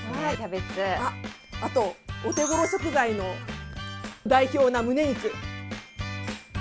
あと、お手ごろ食材の代表むね肉。